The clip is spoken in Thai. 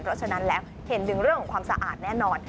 เพราะฉะนั้นแล้วเห็นถึงเรื่องของความสะอาดแน่นอน